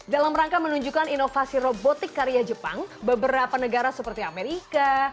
dalam rangka menunjukkan inovasi robotik karya jepang beberapa negara seperti amerika